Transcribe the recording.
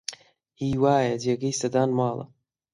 هی وایە جێگەی سەدان ماڵە